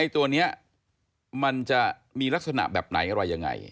ตัวนี้มันจะมีลักษณะแบบไหนอะไรยังไง